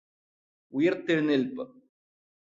ഉയിര്ത്തെഴുന്നേല്പ്പ്